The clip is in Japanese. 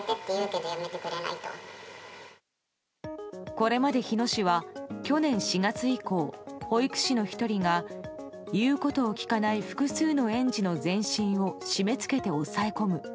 これまで日野市は去年４月以降、保育士の１人が言うことを聞かない複数の園児の全身を締め付けて押さえ込む。